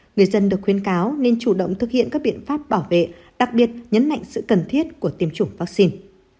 người dân được khuyến cáo nên chủ động thực hiện các biện pháp bảo vệ đặc biệt nhấn mạnh sự cần thiết của tiêm chủng vaccine